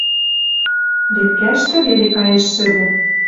Лепкӓштӹ веле каеш шӹдӹ